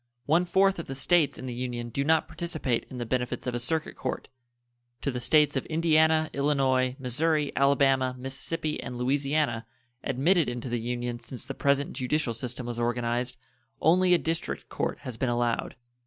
One fourth of the States in the Union do not participate in the benefits of a circuit court. To the States of Indiana, Illinois, Missouri, Alabama, Mississippi, and Louisiana, admitted into the Union since the present judicial system was organized, only a district court has been allowed.